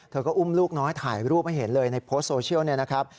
ก็อุ้มลูกน้อยถ่ายรูปให้เห็นเลยในโพสต์โซเชียลเนี่ยนะครับ